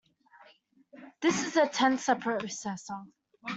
This is a tensor processor.